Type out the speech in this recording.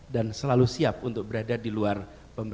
dan ketika berada di luar komite